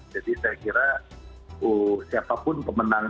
jadi saya kira siapapun pemenang